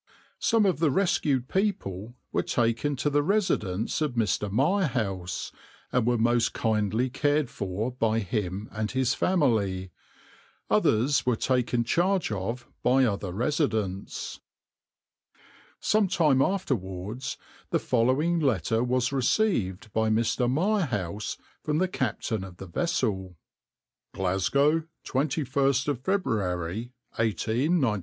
Some of the rescued people were taken to the residence of Mr. Mirehouse, and were most kindly cared for by him and his family; others were taken charge of by other residents.\par Some time afterwards the following letter was received by Mr. Mirehouse from the captain of the vessel: \par \vs {\noindent} \noindent GLASGOW, 21*st February* 1894.